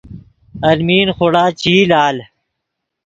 المی خوڑا چے ای لال